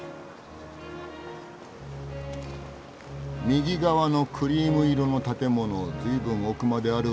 右側のクリーム色の建物ずいぶん奥まである。